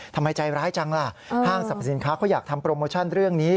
ทำไมใจร้ายจังล่ะห้างสรรพสินค้าเขาอยากทำโปรโมชั่นเรื่องนี้